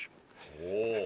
お！